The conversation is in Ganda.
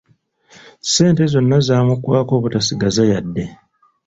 Ssente zonna zaamugwako obutasigaza yadde!